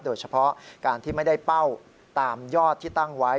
โดยเฉพาะการที่ไม่ได้เป้าตามยอดที่ตั้งไว้